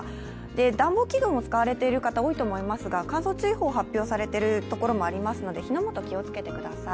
暖房器具を使われている方、多いかと思いますが、乾燥注意報が発表されている所もありますので火の元気をつけてください。